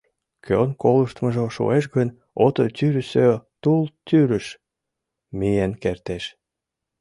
Кӧн колыштмыжо шуэш гын, ото тӱрысӧ тул тӱрыш миен кертеш.